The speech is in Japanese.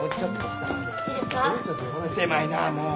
狭いなあもう。